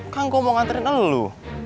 kan gue mau nganterin elu